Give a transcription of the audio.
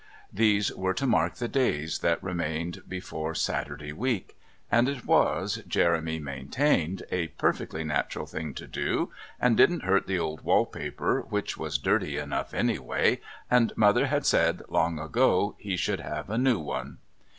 These were to mark the days that remained before Saturday week, and it was, Jeremy maintained, a perfectly natural thing to do and didn't hurt the old wall paper which was dirty enough anyway, and Mother had said, long ago, he should have a new one.